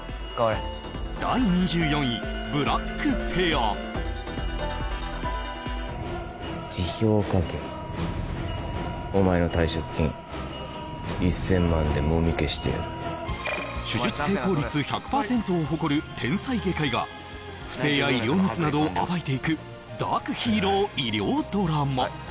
第２４位辞表を書けお前の退職金１０００万でもみ消してやる手術成功率１００％を誇る天才外科医が不正や医療ミスなどを暴いていくダークヒーロー医療ドラマ